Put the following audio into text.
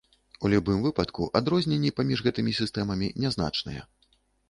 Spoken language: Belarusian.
У любым выпадку адрозненні паміж гэтымі сістэмамі нязначныя.